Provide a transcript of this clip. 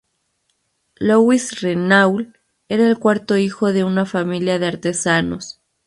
Louis Renault era el cuarto hijo de una familia de artesanos.